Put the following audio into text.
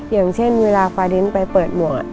อย่างเช่นเวลาฟาเดนไปเปิดหมวก